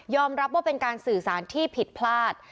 รับว่าเป็นการสื่อสารที่ผิดพลาด